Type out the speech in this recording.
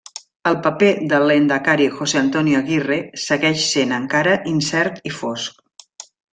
El paper del lehendakari José Antonio Aguirre segueix sent encara incert i fosc.